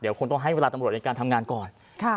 คงต้องให้เวลาตำรวจในการทำงานก่อน